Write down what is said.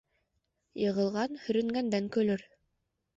Йығылған һөрөнгәндән көлөр